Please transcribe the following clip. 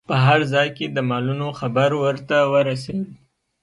په هر ځای کې د مالونو خبر ورته ورسید.